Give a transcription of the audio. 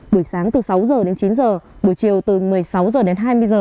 buổi sáng từ sáu h đến chín h buổi chiều từ một mươi sáu h đến hai mươi h